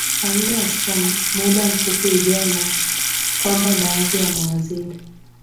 afanyika katika muda mfupi ujao na kwamba baadhi ya mawaziri